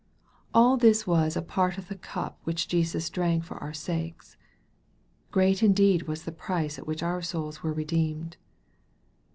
All this was a part of the cup which Jesus drank for our sakes. Great indeed was the price at which our souls were redeemed